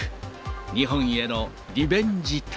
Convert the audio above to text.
日本へのリベンジ旅。